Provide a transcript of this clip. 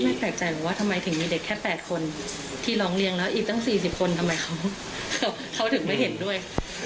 แปลกใจหรอกว่าทำไมถึงมีเด็กแค่๘คนที่ร้องเรียนแล้วอีกตั้ง๔๐คนทำไมเขาถึงไม่เห็นด้วย